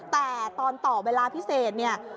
แต่ตอนต่อเวลาพิเศษเนี่ย